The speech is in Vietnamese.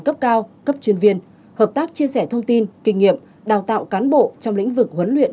cấp cao cấp chuyên viên hợp tác chia sẻ thông tin kinh nghiệm đào tạo cán bộ trong lĩnh vực huấn luyện